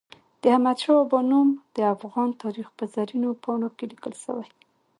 د احمد شاه بابا نوم د افغان تاریخ په زرینو پاڼو کې لیکل سوی.